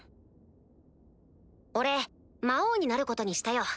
俺魔王になることにしたよ。